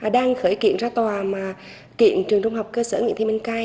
đang khởi kiện ra tòa kiện trường trung học cơ sở nguyễn thị minh cai